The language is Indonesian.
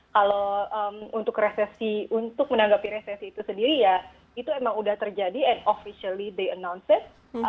kalau untuk resesi untuk menanggapi resesi itu sendiri ya itu emang sudah terjadi and officially they announce it